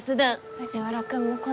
藤原君も来ないし。